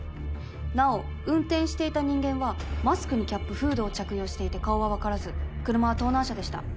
なお運転していた人間はマスクにキャップフードを着用していて顔は分からず車は盗難車でした。